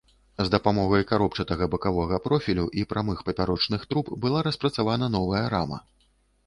З дапамогай каробчатага бакавога профілю і прамых папярочных труб была распрацавана новая рама.